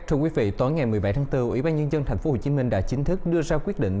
thưa quý vị tối ngày một mươi bảy tháng bốn ủy ban nhân dân tp hcm đã chính thức đưa ra quyết định